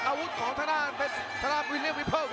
อาวุธของท่านาเป็นท่านาวิลัมวิปเปิ้ล